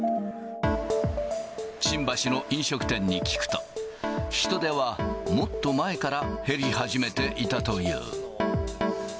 新橋の飲食店に聞くと、人出はもっと前から減り始めていたという。